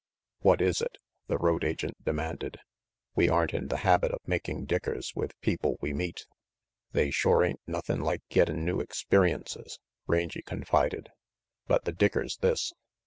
"What is it?" the road agent demanded. "We aren't in the habit of making dickers with people we meet." "They shore ain't nothin' like gettin' new expe riences," Rangy confided, "but the dicker's this.